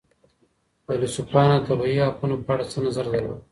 فيلسوفانو د طبعي حقونو په اړه څه نظر درلود؟